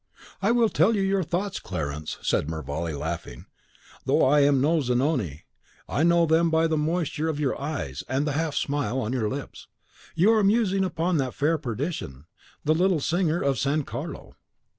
"I will tell you your thoughts, Clarence," said Mervale, laughing, "though I am no Zanoni. I know them by the moisture of your eyes, and the half smile on your lips. You are musing upon that fair perdition, the little singer of San Carlo."